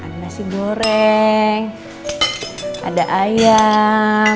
ada nasi goreng ada ayam